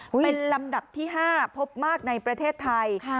เป็นลำดับที่๕พบมากในประเทศไทย